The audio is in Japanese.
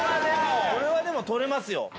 これはでも取れますよ。